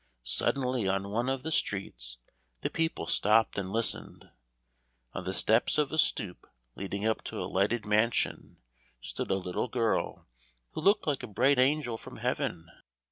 Suddenly on one of the streets the people stopped and listened. On the steps of a stoop leading up to a lighted mansion stood a little girl who looked like a bright angel from heaven.